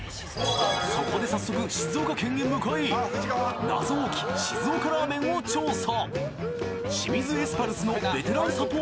そこで早速静岡県へ向かい謎多き静岡ラーメンを調査！